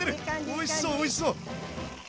おいしそうおいしそう！